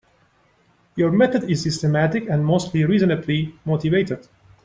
Your method is systematic and mostly reasonably motivated.